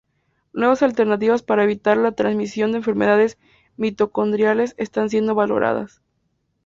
Nuevas alternativas para evitar la transmisión de enfermedades mitocondriales están siendo valoradas.